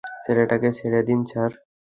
ছেলেটাকে ছেড়ে দিন, স্যার।